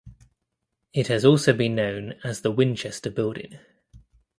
It has also been known as the Winchester Building.